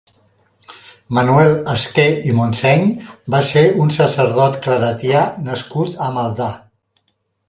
Manuel Esqué i Montseny va ser un sacerdot claretià nascut a Maldà.